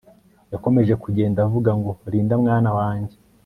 Yakomeje kugenda avuga ngo Linda mwana wanjye